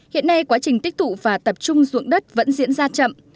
hiện nay quá trình tích tụ và tập trung dụng đất vẫn diễn ra chậm